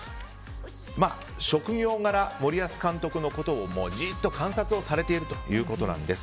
職業柄、森保監督のことをじっと観察をされているということなんです。